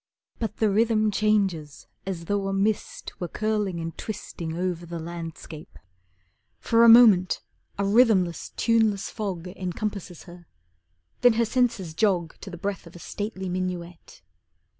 But the rhythm changes as though a mist Were curling and twisting Over the landscape. For a moment a rhythmless, tuneless fog Encompasses her. Then her senses jog To the breath of a stately minuet.